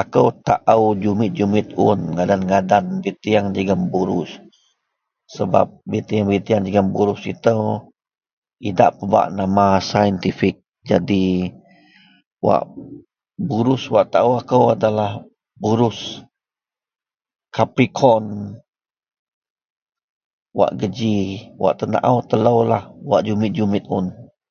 Akou taou jumit-jumit un ngadan-ngadan biteang jegem buruj sebab biteang-biteang jegem buruj itou idak pebak nama saintifik. Jadi wak buruj wak taou akou adalah buruj kapikon. Wak geji wak tenataou teloulah wak jumit-jumit un.